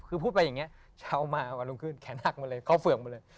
คือพูดไปอย่างนี้เช้ามาวันรุ่งขึ้นแขนหักมาเลยเข้าเฝือกมาเลย